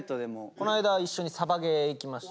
こないだ一緒にサバゲー行きました。